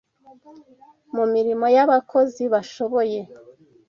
mu mirimo y’abakozi bashoboye